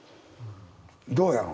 どうやろ？